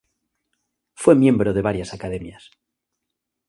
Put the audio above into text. Fue miembro de varias academias.